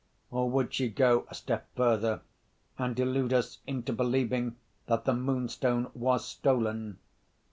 Or would she go a step further, and delude us into believing that the Moonstone was stolen?